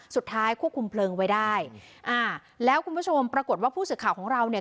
สุดท้ายควบคุมเพลิงไว้ได้อ่าแล้วคุณผู้ชมปรากฏว่าผู้สื่อข่าวของเราเนี่ย